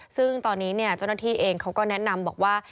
ซึ่งตอนนี้เจ้าหน้าที่เองเขาก็แนะนำบอกว่า